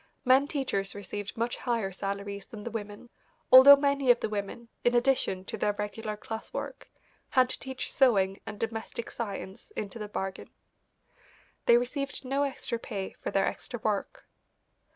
Men teachers received much higher salaries than the women, although many of the women, in addition to their regular class work, had to teach sewing and domestic science into the bargain. They received no extra pay for their extra work.